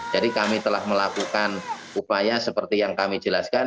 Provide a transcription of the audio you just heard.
jadi kami telah melakukan upaya seperti yang kami jelaskan